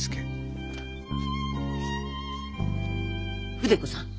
筆子さん。